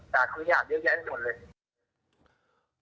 ด่าคืนหยาบเยอะแยะทั้งหมดเลย